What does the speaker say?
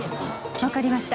わかりました。